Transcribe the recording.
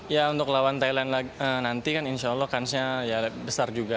ya untuk lawan thailand nanti kan insya allah kansnya ya besar juga